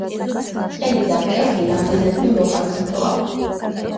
ყელი და მკერდი რამდენადმე მოყავისფროა.